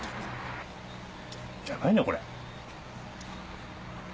ヤバいねこれ。